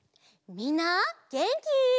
みんなげんき？